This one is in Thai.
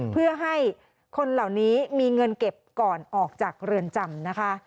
เพื่อให้คนเหล่านี้มีเงินเก็บก่อนออกจากเรือนจำนะคะ